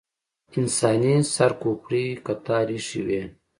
انساني سر کوپړۍ کتار ایښې وې.